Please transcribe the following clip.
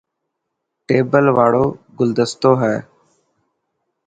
ٽيبل واڙو گلدستو هي.